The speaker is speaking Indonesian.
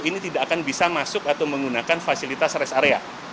ini tidak akan bisa masuk atau menggunakan fasilitas rest area